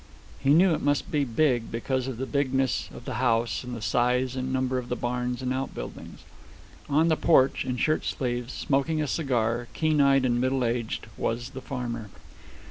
He knew it must be big, because of the bigness of the house and the size and number of the barns and outbuildings. On the porch, in shirt sleeves, smoking a cigar, keen eyed and middle aged, was the farmer.